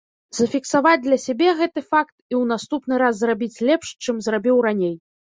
Зафіксаваць для сябе гэты факт і ў наступны раз зрабіць лепш, чым зрабіў раней.